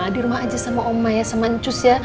di rumah aja sama oma ya sama ncus ya